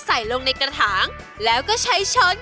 เป็นคนเหลือแล้วคะ